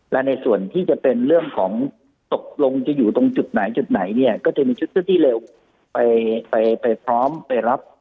และในส่วนที่จะเป็นเรื่องของตกลงจะอยู่ตรงจุดไหนจุดไหนเนี่ยก็จะมีชุดเจ้าที่เร็วไปไปพร้อมไปรับ